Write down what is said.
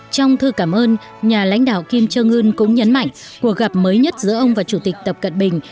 trong thư cảm ơn nhà lãnh đạo kim trương ươn cũng nhấn mạnh cuộc gặp mới nhất giữa ông và chủ tịch tập cận bình